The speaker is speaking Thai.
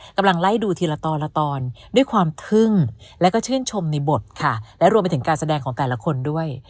กำลังไล่ดูทีละตอนละตอนด้วยความทึ่งแล้วก็ชื่นชมในบทค่ะและรวมไปถึงการแสดงของแต่ละคนด้วย